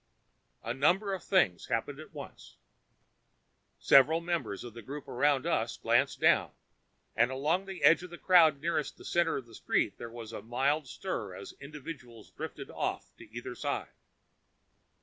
A number of things happened at once. Several members of the group around us glanced down, and along the edge of the crowd nearest the center of the street there was a mild stir as individuals drifted off to either side.